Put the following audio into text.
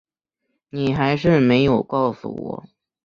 你还是没有告诉我